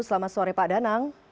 selamat sore pak danang